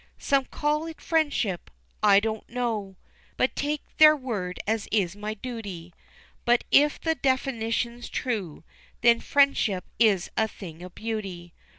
Some call it friendship I don't know. But take their word as is my duty, But if the definition's true, Then friendship is a thing of beauty.